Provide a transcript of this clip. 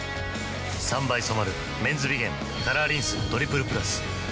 ３倍染まる「メンズビゲンカラーリンストリプルプラス」